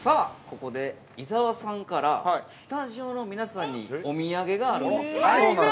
ここで、伊沢さんからスタジオの皆さんにお土産があるんですよね。